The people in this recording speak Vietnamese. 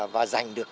và giành được